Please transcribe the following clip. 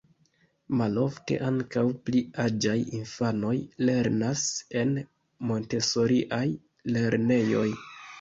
Malofte ankaŭ pli aĝaj infanoj lernas en Montesoriaj lernejoj.